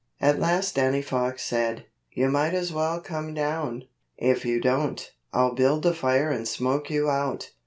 At last Danny Fox said, "You might just as well come down. If you don't, I'll build a fire and smoke you out."